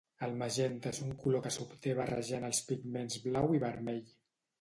El magenta és un color que s'obté barrejant els pigments blau i vermell.